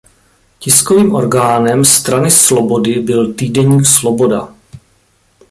Tiskovým orgánem "Strany slobody" byl týdeník "Sloboda".